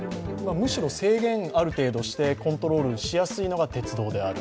むしろ制限をある程度して、コントロールしやすいのが鉄道である。